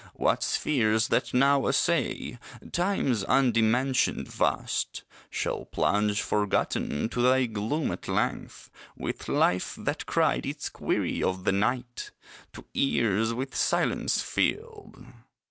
What spheres that now essay Time's undimensioned vast, Shall plunge forgotten to thy gloom at length, With life that cried its query of the Night To ears with silence filled!